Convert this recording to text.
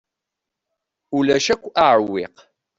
Ulac akk aɛewwiq.